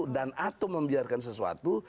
dan atau membiarkan sesuatu